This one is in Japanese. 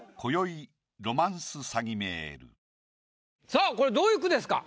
さぁこれどういう句ですか？